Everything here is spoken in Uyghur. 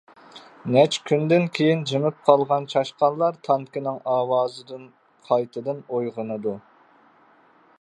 نەچچە كۈندىن كېيىن جىمىپ قالغان چاشقانلار تانكىنىڭ ئاۋازىدىن قايتىدىن ئويغىنىدۇ.